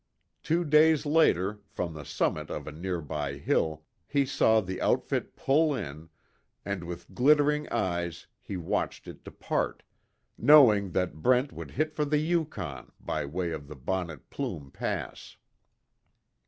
Two days later, from the summit of a nearby hill, he saw the outfit pull in, and with glittering eyes he watched it depart, knowing that Brent would hit for the Yukon by way of the Bonnet Plume Pass.